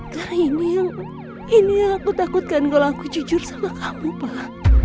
karena ini yang aku takutkan kalau aku jujur sama kamu pak